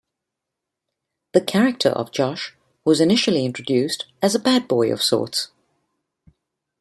The character of Josh was initially introduced as a bad boy of sorts.